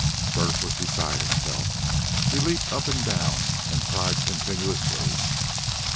Bert was beside himself. He leaped up and down and cried continuously.